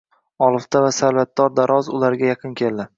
Olifta va savlatdor daroz ularga yaqin keldi.